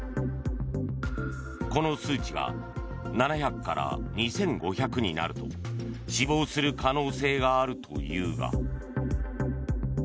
この数値が７００から２５００になると死亡する可能性があるというが。